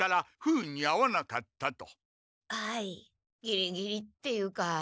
ギリギリっていうか。